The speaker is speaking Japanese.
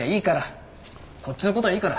こっちのことはいいから。